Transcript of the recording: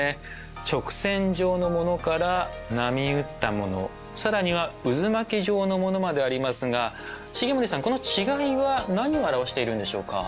直線状のものから波打ったもの更には渦巻き状のものまでありますが重森さんこの違いは何を表しているんでしょうか？